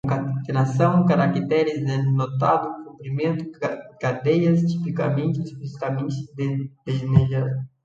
concatenada, caracteres, denotado, comprimentos, cadeias, tipicamente, explicitamente, degenerado